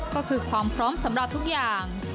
ก็คือความพร้อมสำหรับทุกอย่าง